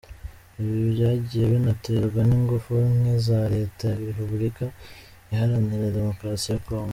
Ibi byagiye binaterwa n’ingufu nke za leta ya Repubulika Iharanira Demokarasi ya Congo.